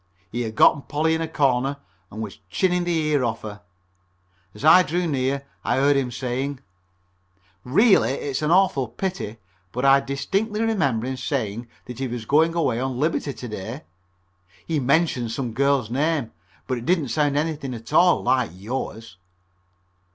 He had gotten Polly in a corner and was chinning the ear off of her. As I drew near I heard him saying: "Really it's an awful pity, but I distinctly remember him saying that he was going away on liberty to day. He mentioned some girl's name, but it didn't sound anything at all like yours."